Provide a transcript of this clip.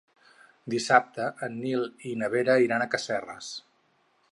Dissabte en Nil i na Vera iran a Casserres.